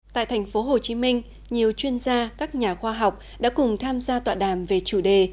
tại thành phố hồ chí minh nhiều chuyên gia các nhà khoa học đã cùng tham gia tọa đàm về chủ đề